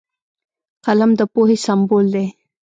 قلم د پوهې سمبول دی